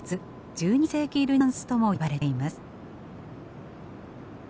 １２世紀ルネサンスとも呼ばれています。